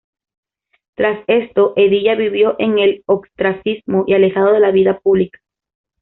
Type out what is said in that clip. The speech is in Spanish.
Tras esto, Hedilla vivió en el ostracismo y alejado de la vida pública.